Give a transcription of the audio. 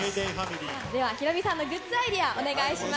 ヒロミさんのグッズアイデア、お願いします。